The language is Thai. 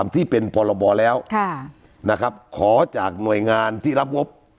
ที่เป็นพรบแล้วนะครับขอจากหน่วยงานที่รับงบ